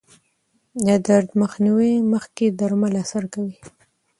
د درد مخنیوي مخکې درمل اثر کوي.